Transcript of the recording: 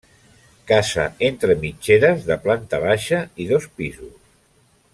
Casa entre mitgeres de planta baixa i dos pisos.